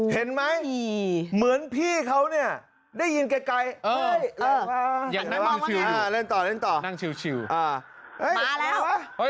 เห็นไหมเหมือนพี่เขาเนี่ยได้ยินไกลเล่นต่อเล่นต่อนั่งชิวมาแล้ว